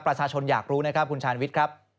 ประชาชนอยากรู้นะครับคุณชาญวิทย์ครับ